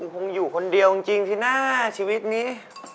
คงอยู่คนเดียวจริงที่หน้าชีวิตนี้